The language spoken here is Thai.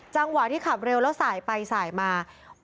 จังหวะที่ขับเร็วแล้วสายไปสายมา